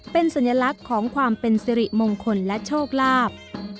เป็นสัญลักษณ์ของความเป็นสิริมงคลและโชคลาภ